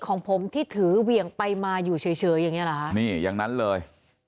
ของผมที่ถือเวี่ยงไปมาอยู่เฉยอย่างนี้ละนี่อย่างนั้นเลย